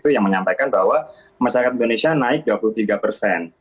yang menyampaikan bahwa masyarakat indonesia naik dua puluh tiga persen